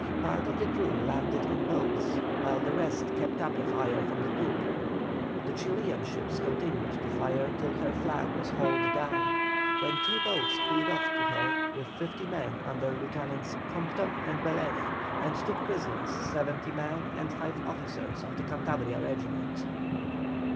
Part of the crew landed in boats while the rest kept up a fire from the poop. The Chilian ships continued to fire till her flag was hauled down, when two boats put off to her with fifty men under Lieutenants Compton and Bélez, and took prisoners seventy men and five officers of the Cantabria regiment.